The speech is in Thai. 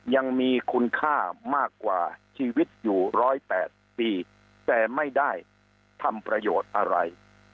ยังมีคุณค่ามากกว่าชีวิตอยู่๑๐๘ปีแต่ไม่ได้ทำประโยชน์อะไร